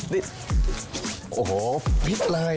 โหฟิตเลย